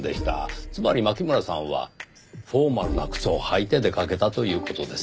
つまり牧村さんはフォーマルな靴を履いて出かけたという事です。